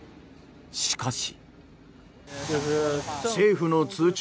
しかし。